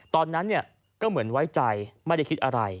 ตอนนั้นก็เหมือนไว้ใจไม่ได้คิดอะไร